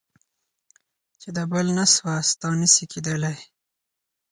چي د بل نه سوه. ستا نه سي کېدلی.